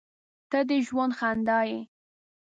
• ته د ژوند خندا یې.